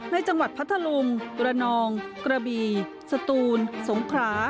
ในจังหวัดพัทธลุงอุรนองก์กระบีสตูนสงครา